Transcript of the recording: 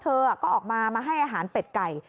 เธอก็ออกมามาให้อาหารเป็ดไก่